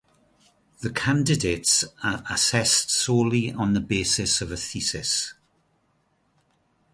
The candidates are assessed solely on the basis of a thesis.